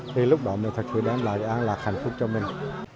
thì lúc đó mình thật sự đem lại là hạnh phúc cho mình